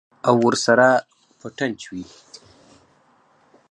او ورسره پټن چوي.